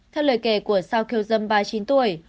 theo lời kể của sao kiều dâm ba mươi chín tuổi